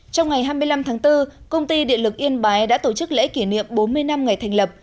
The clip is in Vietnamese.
trong ngày hai mươi năm tháng bốn công ty điện lực yên bái đã tổ chức lễ kỷ niệm bốn mươi năm ngày thành lập